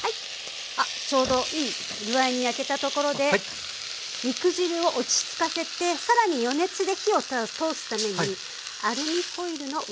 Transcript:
あちょうどいい具合に焼けたところで肉汁を落ち着かせて更に余熱で火を通すためにアルミホイルの上にのせて